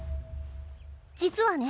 実はね。